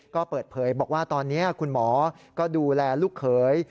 ก็เปิดเผยบอกว่าตอนนี้คุณหมอก็ดูแลลูกเขย